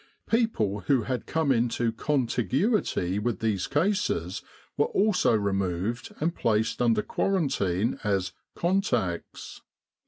People who had come into contiguity with these cases were also removed and placed under quarantine as "contacts."